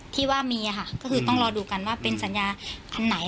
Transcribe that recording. ที่ว่ามีค่ะก็คือต้องรอดูกันว่าเป็นสัญญาอันไหน